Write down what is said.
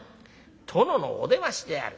殿のお出ましである。